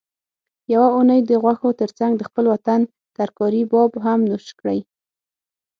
یوه اونۍ د غوښو ترڅنګ د خپل وطن ترکاري باب هم نوش کړئ